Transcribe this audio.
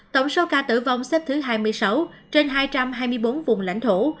tổng số ca tử vong xếp thứ hai mươi sáu trên hai trăm hai mươi bốn vùng lãnh thổ